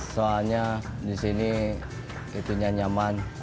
soalnya di sini itunya nyaman